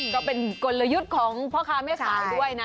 ก็เป็นกลยุทธ์ของพ่อค้าแม่ขายด้วยนะ